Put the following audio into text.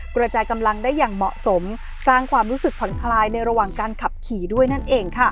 กระจายกำลังได้อย่างเหมาะสมสร้างความรู้สึกผ่อนคลายในระหว่างการขับขี่ด้วยนั่นเองค่ะ